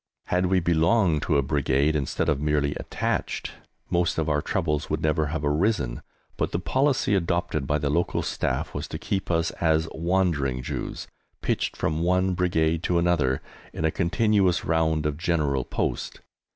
Had we belonged to a Brigade instead of being merely "attached" most of our troubles would never have arisen, but the policy adopted by the local Staff was to keep us as "wandering Jews," pitched from one Brigade to another, in a continuous round of General Post.